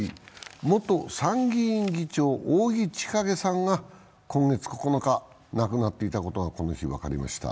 元参議院議長、扇千景さんが今月９日亡くなっていたことがこの日、分かりました。